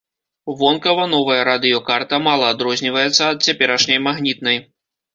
Вонкава новая радыёкарта мала адрозніваецца ад цяперашняй магнітнай.